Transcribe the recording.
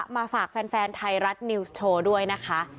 มาฝากแฟนไทยรัฐนิวส์โชว์ด้วยนะคะ